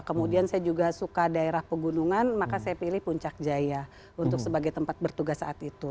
kemudian saya juga suka daerah pegunungan maka saya pilih puncak jaya untuk sebagai tempat bertugas saat itu